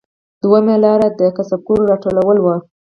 دویمه لار د کسبګرو راټولول وو